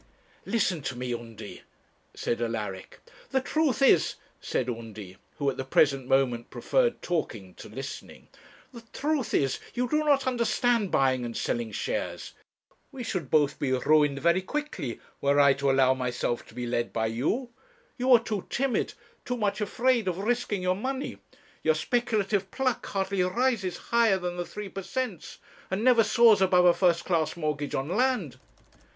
'Listen to me, Undy,' said Alaric. 'The truth is,' said Undy who at the present moment preferred talking to listening 'the truth is, you do not understand buying and selling shares. We should both be ruined very quickly were I to allow myself to be led by you; you are too timid, too much afraid of risking your money; your speculative pluck hardly rises higher than the Three per cents, and never soars above a first class mortgage on land.'